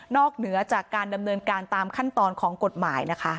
เหนือจากการดำเนินการตามขั้นตอนของกฎหมายนะคะ